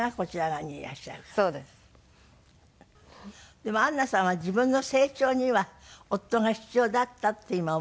でもアンナさんは自分の成長には夫が必要だったって今思うんですって？